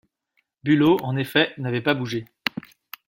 Bülow en effet n’avait pas bougé.